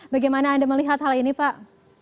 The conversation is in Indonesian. bagaimana anda melihat hal ini pak